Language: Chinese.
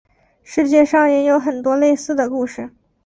世界上也有很多类似的故事。